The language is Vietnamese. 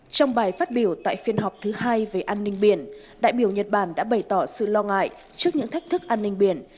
trong bài phát biểu tại phiên họp thứ hai về an ninh biển đại biểu nhật bản đã bày tỏ sự lo ngại trước những thách thức an ninh biển